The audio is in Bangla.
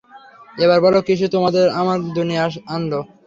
এবার বলো, কীসে তোমাদেরকে আমার দুনিয়ায় আনলো?